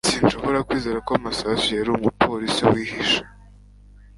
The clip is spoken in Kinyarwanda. Sinshobora kwizera ko Masasu yari umupolisi wihishe